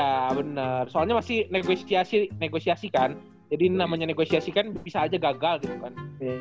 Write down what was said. ya bener soalnya masih negosiasikan jadi namanya negosiasikan bisa aja gagal gitu kan